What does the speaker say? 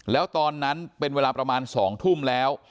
แล้วตอนนั้นเป็นเวลาประมาณ๒ทุ่มแล้ว